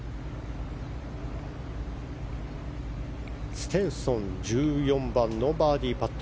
ステンソン１４番のバーディーパット。